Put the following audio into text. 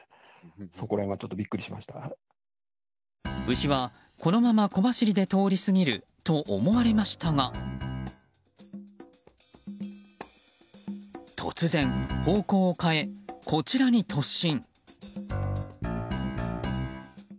牛はこのまま小走りで通り過ぎると思われましたが突然方向を変え、こちらに突進。